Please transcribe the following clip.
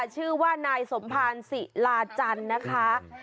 ชื่อว่านายสมภารศิลาจันทร์นะคะ